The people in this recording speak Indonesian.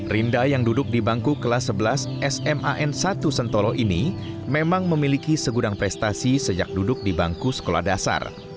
rinda yang duduk di bangku kelas sebelas sman satu sentolo ini memang memiliki segudang prestasi sejak duduk di bangku sekolah dasar